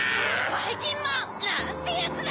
・ばいきんまん！なんてヤツだ！